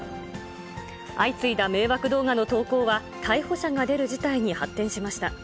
相次いだ迷惑動画の投稿は、逮捕者が出る事態に発展しました。